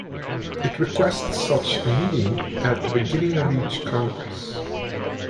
It requests such a meeting at the beginning of each Congress.